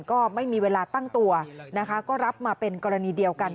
ก็ไม่มีเวลาตั้งตัวนะคะก็รับมาเป็นกรณีเดียวกัน